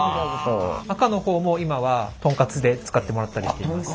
赤のほうも今はトンカツで使ってもらったりしています。